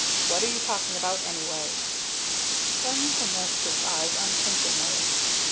"What are you talking about anyway?" Diantha met his eyes unflinchingly.